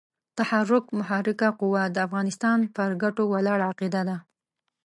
تحرک محرکه قوه د افغانستان پر ګټو ولاړه عقیده ده.